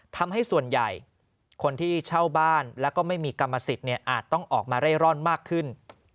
ทำให้ส่วนใหญ่คนที่เช่าบ้านแล้วก็ไม่มีกรรมสิทธิ์อาจต้องออกมาเร่ร่อนมากขึ้น